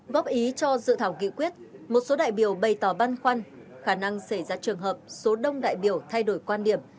góp ý cho dự thảo nghị quyết một số đại biểu bày tỏ băn khoăn khả năng xảy ra trường hợp số đông đại biểu thay đổi quan điểm